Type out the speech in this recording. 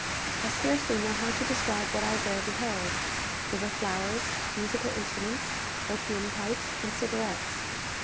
I scarcely know how to describe what I there beheld. There were flowers, musical instruments, opium pipes, and cigarettes.